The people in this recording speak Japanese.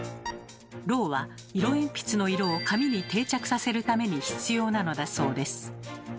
ロウは色鉛筆の色を紙に定着させるために必要なのだそうです。